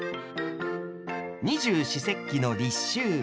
二十四節気の立秋。